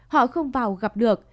họ không vào gặp được